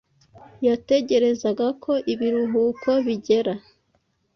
yategerezaga ko ibiruhuko bigera